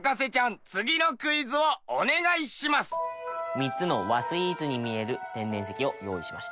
３つの和スイーツに見える天然石をご用意しました。